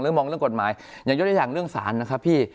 หรือมองเรื่องกฎหมายอย่างยกอย่างเรื่องสารนะครับพี่